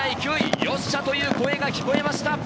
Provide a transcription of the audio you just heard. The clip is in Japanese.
ヨッシャ！という声が聞こえました。